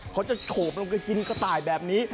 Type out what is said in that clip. เขาจะโฉบลงไปกินกระต่ายแบบนี้